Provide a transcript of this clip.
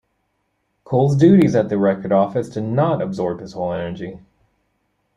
Cole's duties at the record office did not absorb his whole energy.